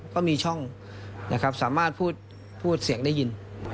ก็มีช่องนะครับสามารถพูดเสียงได้ยิน